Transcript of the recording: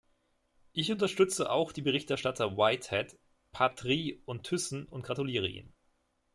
Ich unterstütze auch die Berichterstatter Whitehead, Patrie und Thyssen und gratuliere ihnen.